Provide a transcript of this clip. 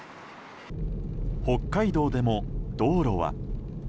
北海道でも道路は。